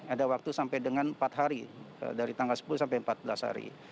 ada waktu sampai dengan empat hari dari tanggal sepuluh sampai empat belas hari